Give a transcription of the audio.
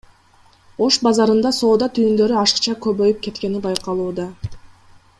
Ош базарында соода түйүндөрү ашыкча көбөйүп кеткени байкалууда.